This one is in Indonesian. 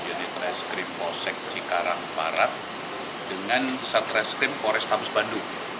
unit reskrim polsek cikarang barat dengan satreskrim polrestabes bandung